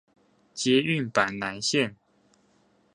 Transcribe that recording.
捷運板南線